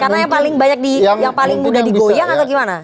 karena yang paling mudah digoyang atau gimana